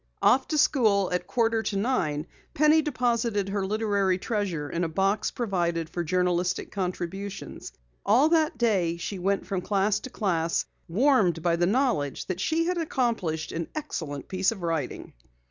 Off to school at a quarter to nine, Penny deposited her literary treasure in a box provided for journalistic contributions. All that day she went from class to class, warmed by the knowledge that she had accomplished an excellent piece of writing.